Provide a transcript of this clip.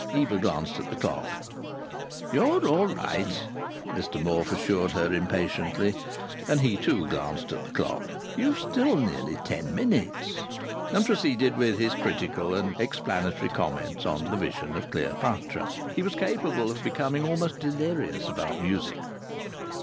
Eva glanced at the clock. "You're all right," Mr Morfe assured her somewhat impatiently. And he, too, glanced at the clock: "You've still nearly ten minutes." And proceeded with his critical and explanatory comments on the Vision of Cleopatra. He was capable of becoming almost delirious about music.